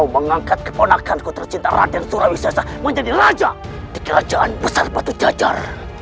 mengangkat keponakan ku tercinta raden surawisasa menjadi raja di kerajaan besar batu jajar